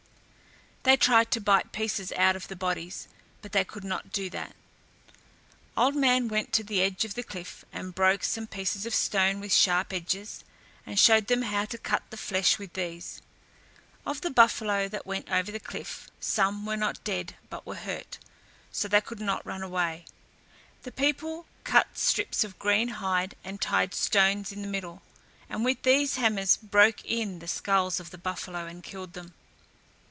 They tried to bite pieces out of the bodies, but they could not do that. Old Man went to the edge of the cliff and broke some pieces of stone with sharp edges, and showed them how to cut the flesh with these. Of the buffalo that went over the cliff, some were not dead, but were hurt, so they could not run away. The people cut strips of green hide and tied stones in the middle, and with these hammers broke in the skulls of the buffalo and killed them.